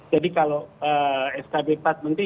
jadi kalau skb empat menteri